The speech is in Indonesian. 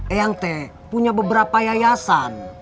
eyang teh punya beberapa yayasan